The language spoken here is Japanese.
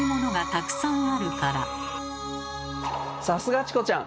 さすがチコちゃん！